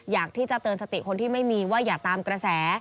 อยากที่จะเตือนสติคนที่ไม่มีว่าอย่าตามกระแส